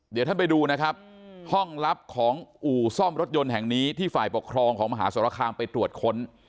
เดี๋ยวท่านไปดูนะครับห้องลับของอู่ซ่อมรถยนต์แห่งนี้ที่ฝ่ายปกครองของมหาสรคามไปตรวจค้น